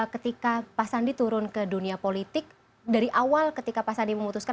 ketika pak sandi turun ke dunia politik dari awal ketika pak sandi memutuskan